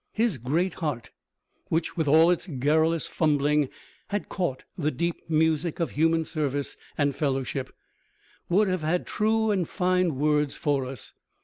His great heart, which with all its garrulous fumbling had caught the deep music of human service and fellowship, would have had true and fine words for us.